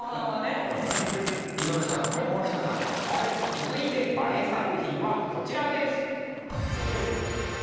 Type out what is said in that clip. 続いてＢＡＥ作品はこちらです。